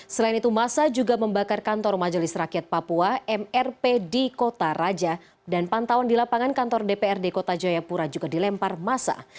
selain itu masa juga membakar kantor majelis rakyat papua mrp di kota raja dan pantauan di lapangan kantor dprd kota jayapura juga dilempar masa